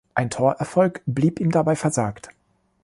Ein Torerfolg blieb ihm dabei versagt.